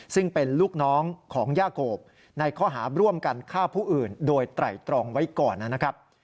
ซึ่งเป็นลูกน้องของย่าโกบในข้อหาร่วมกันฆ่าผู้อื่นโดยไตรตรองไว้ก่อนนะครับ